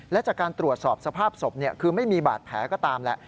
และจากการตรวจสอบสภาพศพคือไม่มีบาดแผลก็ตามแหละ